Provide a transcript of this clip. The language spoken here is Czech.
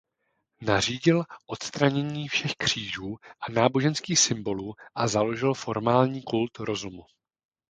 Nařídil odstranění všech křížů a náboženských symbolů a založil formální kult rozumu.